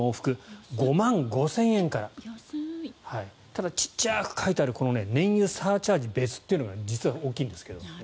ただ、ちっちゃく書いてある燃油サーチャージ別というのが実は大きいんですが。